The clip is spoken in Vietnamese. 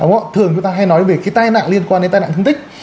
đúng không thường chúng ta hay nói về cái tai nạn liên quan đến tai nạn thương tích